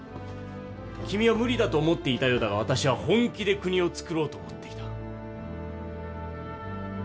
君は無理だと思っていたようだが私は本気で国を造ろうと思っていた。